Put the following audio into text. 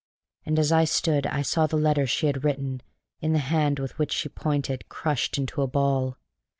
And as I stood I saw the letter she had written, in the hand with which she pointed, crushed into a ball.